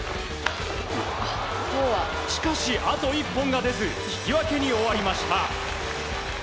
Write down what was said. しかし、あと１本が出ず引き分けに終わりました。